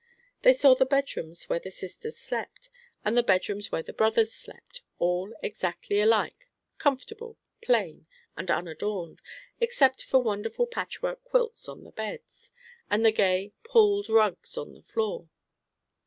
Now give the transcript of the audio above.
They saw the bedrooms where the sisters slept, and the bedrooms where the brothers slept, all exactly alike, comfortable, plain, and unadorned, except for wonderful patchwork quilts on the beds, and the gay "pulled" rugs on the floors.